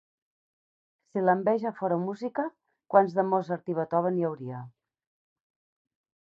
Si l'enveja fora música, quants de Mozart i Beethoven hi hauria.